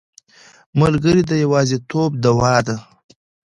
ملګری د یوازیتوب دوا ده.